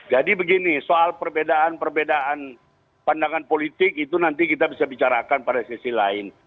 jadi begini soal perbedaan perbedaan pandangan politik itu nanti kita bisa bicarakan pada sesi lain